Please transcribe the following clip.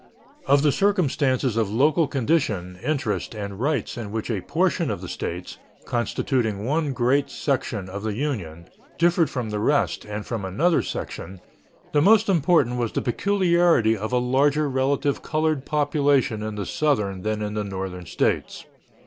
Of the circumstances of local condition, interest, and rights in which a portion of the States, constituting one great section of the Union, differed from the rest and from another section, the most important was the peculiarity of a larger relative colored population in the Southern than in the Northern States.